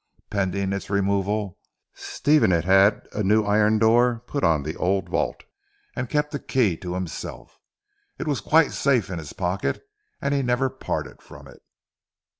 Pending its removal, Stephen had had a new iron door put on the old vault, and kept the key to himself. It was quite safe in his pocket, and he never parted from it.